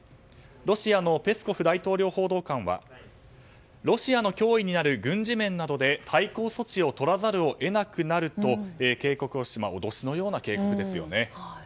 ロシアのペスコフ大統領報道官はロシアの脅威になる軍事面などで対抗措置をとらざるを得なくなると警告、脅しのような警告ですよね。